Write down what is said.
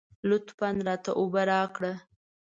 لطفاً راته اوبه راکړه.